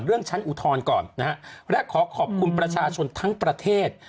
เรื่องชั้นอุทธรณ์ก่อนนะฮะและขอขอบคุณประชาชนทั้งประเทศ